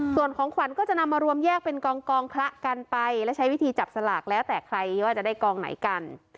ส่วนของขวัญก็จะนำมารวมแยกเป็นกองคละกันไปและใช้วิธีจับสลากแล้วแต่ใครว่าจะได้กองไหนกัน